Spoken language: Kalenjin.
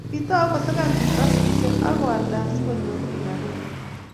kiitou kusakan biik maskisiek aku alda asikonyoru robinik